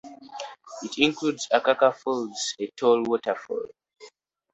It includes Akaka Falls, a tall waterfall.